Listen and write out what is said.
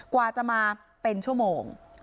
กว่าจะมาเป็นชั่วโมง